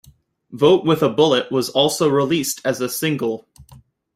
"Vote with a Bullet" was also released as a single.